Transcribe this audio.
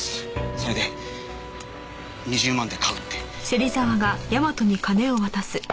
それで２０万で買うって。